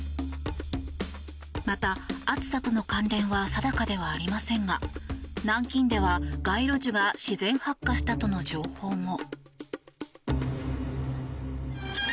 また、暑さとの関連は定かではありませんが南京では、街路樹が自然発火したとの情報も。